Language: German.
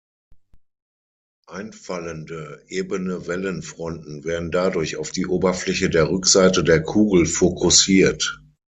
Einfallende, ebene Wellenfronten werden dadurch auf die Oberfläche der Rückseite der Kugel fokussiert.